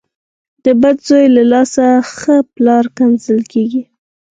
د بد زوی له لاسه ښه پلار کنځل کېږي .